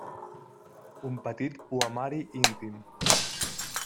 Un petit poemari íntim.